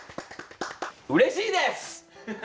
うれしいです！